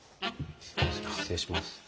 失礼します。